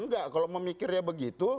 enggak kalau memikirnya begitu